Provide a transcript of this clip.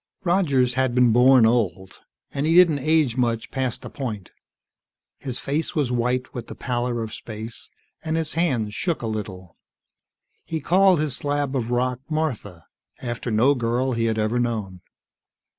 Rogers had been born old, and he didn't age much past a point. His face was white with the pallor of space, and his hands shook a little. He called his slab of rock Martha, after no girl he had ever known.